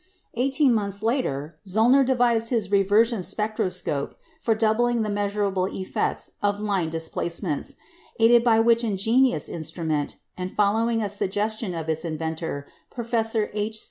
Eighteen months later, Zöllner devised his "reversion spectroscope" for doubling the measurable effects of line displacements; aided by which ingenious instrument, and following a suggestion of its inventor, Professor H.